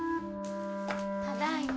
ただいま。